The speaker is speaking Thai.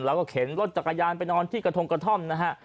แล้วก็เข็นรถจักรยานไปนอนที่กระทงกระท่อมนะฮะ